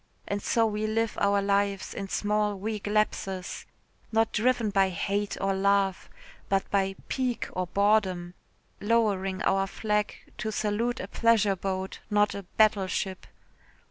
And so we live our lives in small weak lapses not driven by hate or love, but by pique or boredom, lowering our flag to salute a pleasure boat, not a battleship.